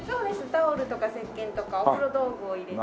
タオルとかせっけんとかお風呂道具を入れて。